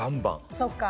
そっか。